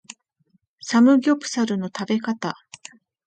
サムギョプサルの食べ方